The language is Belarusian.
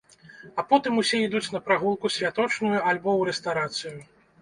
А потым усе ідуць на прагулку святочную, альбо у рэстарацыю.